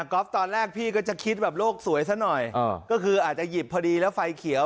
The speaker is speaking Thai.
อล์ฟตอนแรกพี่ก็จะคิดแบบโลกสวยซะหน่อยก็คืออาจจะหยิบพอดีแล้วไฟเขียว